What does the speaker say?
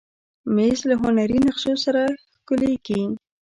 مېز له هنري نقشو سره ښکليږي.